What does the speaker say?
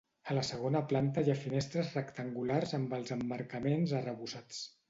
A la segona planta hi ha finestres rectangulars amb els emmarcaments arrebossats.